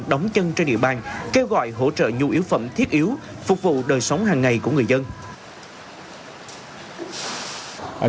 đóng chân trên địa bàn kêu gọi hỗ trợ nhu yếu phẩm thiết yếu phục vụ đời sống hàng ngày của người dân